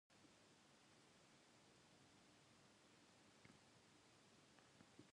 Dumville's view is largely accepted by current scholarship, though not without its dissenters.